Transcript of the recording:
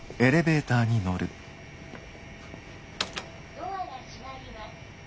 「ドアが閉まります」。